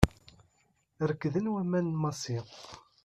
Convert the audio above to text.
Rekden waman n Massi.